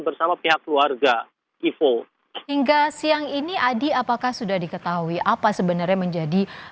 bersama pihak keluarga ipo hingga siang ini adi apakah sudah diketahui apa sebenarnya menjadi